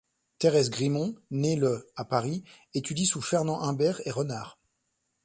Thérèse Grimont, née le à Paris, étudie sous Fernand Humbert et Renard.